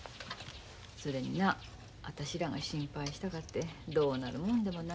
それにな私らが心配したかてどうなるもんでもないし。